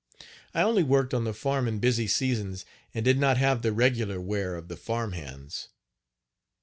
I only worked on the farm in busy seasons, and did not have the regular wear of the farm hands.